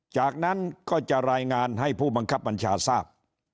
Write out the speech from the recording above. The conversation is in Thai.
จากนั้นก็จะรายงานให้ผู้บังคับบัญชาทราบ